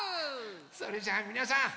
それじゃあみなさん！